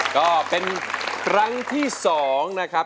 ก็เป็นครั้งที่๒นะครับ